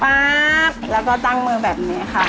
ป๊าบแล้วก็ตั้งมือแบบนี้ค่ะ